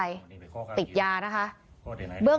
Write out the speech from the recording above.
พี่หุยรู้มั้ยเขาทำอะไรอยู่ในห้องนอนในมือถื